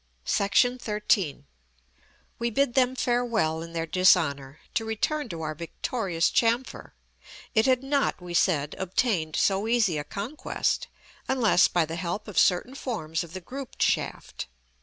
§ XIII. We bid them farewell in their dishonor, to return to our victorious chamfer. It had not, we said, obtained so easy a conquest, unless by the help of certain forms of the grouped shaft.